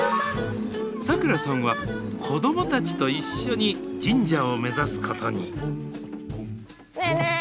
サクラさんは子どもたちと一緒に神社を目指すことにねえねえ